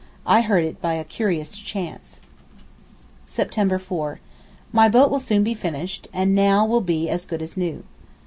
I heard it by a curious chance. September 4.—My boat will soon be finished, and now will be as good as new.